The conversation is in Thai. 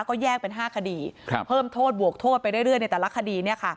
ก็แยกเป็น๕คดีเพิ่มโทษบวกโทษไปเรื่อยในแต่ละคดี